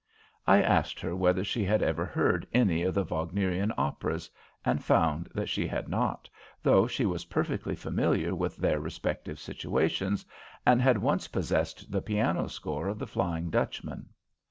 I asked her whether she had ever heard any of the Wagnerian operas, and found that she had not, though she was perfectly familiar with their respective situations, and had once possessed the piano score of The Flying Dutchman.